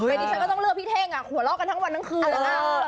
ไปที่ฉันก็ต้องเลือกพี่เทงหัวเลาะกันทั้งวันทั้งคืน